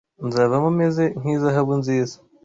Nzavamo meze nk’izahabu nziza